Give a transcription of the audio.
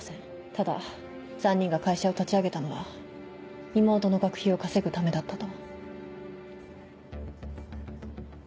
ただ３人が会社を立ち上げたのは妹の学費を稼ぐためだったと。